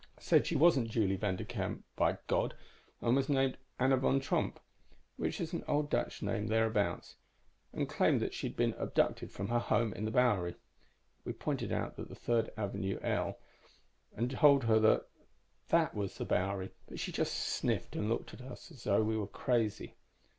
Said she wasn't Julie Vanderkamp, by God, but was named Anna Van Tromp which is an old Dutch name thereabouts and claimed that she had been abducted from her home on the Bowery. We pointed out the Third Avenue El and told her that was the Bowery, but she just sniffed and looked at us as though we were crazy."